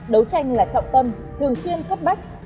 đấu tranh là trọng tâm thường xuyên khất bách